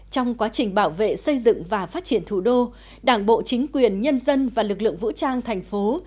trong quá trình bảo vệ xây dựng và phát triển thủ đô đảng bộ chính quyền nhân dân và lực lượng vũ trang thành phố